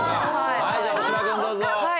はいじゃあ大島君どうぞ。